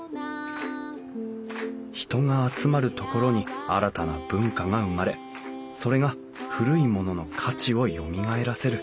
人が集まる所に新たな文化が生まれそれが古いものの価値をよみがえらせる。